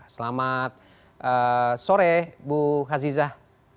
selamat sore bu kazizah